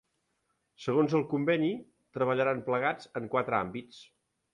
Segons el conveni, treballaran plegats en quatre àmbits.